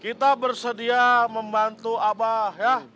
kita bersedia membantu abah ya